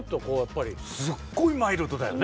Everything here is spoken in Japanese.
すっごいマイルドだよね。